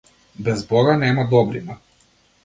Без бога нема добрина.